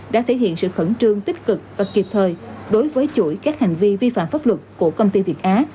đã thể hiện sự khẩn trương tích cực và kịp thời đối với chuỗi các hành vi vi phạm pháp luật của công ty việt á